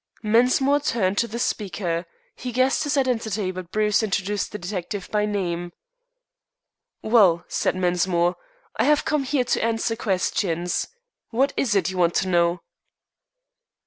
Mensmore turned to the speaker. He guessed his identity, but Bruce introduced the detective by name. "Well," said Mensmore, "I have come here to answer questions. What is it you want to know?"